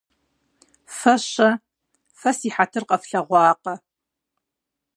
- Фэ-щэ. Фэ си хьэтыр къэфлъэгъуакъэ?